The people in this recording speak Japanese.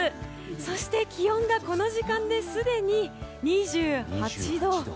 そして気温がこの時間ですでに２８度。